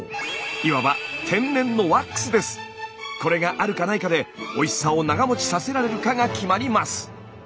いわばこれがあるかないかでおいしさを長もちさせられるかが決まります。